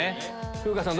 風花さん